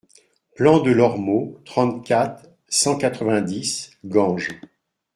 Plan de l'Ormeau, trente-quatre, cent quatre-vingt-dix Ganges